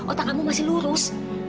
otak kamu masih lurus